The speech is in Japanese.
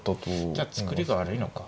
じゃあ作りが悪いのか。